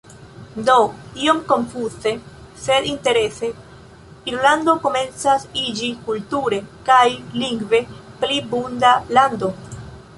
Do, iom konfuze, sed interese, Irlando komencas iĝi kulture kaj lingve pli bunta lando.